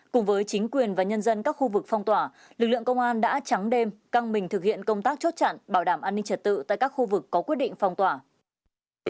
cùng với chính quyền và nhân dân các khu vực phong tỏa lực lượng công an đã trắng đêm căng mình thực hiện công tác chốt chặn bảo đảm an ninh trật tự tại các khu vực có quyết định phong tỏa